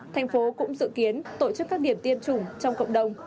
tp hcm cũng dự kiến tổ chức các điểm tiêm chủng trong cộng đồng